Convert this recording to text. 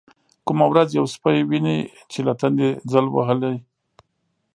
کومه ورځ يو سپى ويني چې له تندې ځل وهلى.